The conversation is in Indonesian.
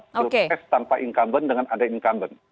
broadcast tanpa incumbent dengan ada incumbent